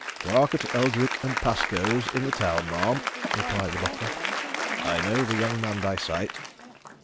"Clerk at Eldrick & Pascoe's, in the town, ma'am," replied the butler. "I know the young man by sight."